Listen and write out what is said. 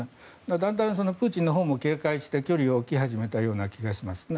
だんだんプーチンのほうも警戒して距離を置き始めた気がしますね。